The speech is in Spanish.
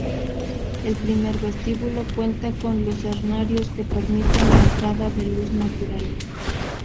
El primer vestíbulo cuenta con lucernarios que permiten la entrada de luz natural.